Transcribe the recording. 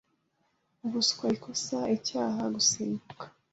Ubuswa ikosa icyaha gusimbuka